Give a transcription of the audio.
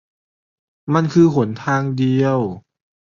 มันคือหนทางเดียว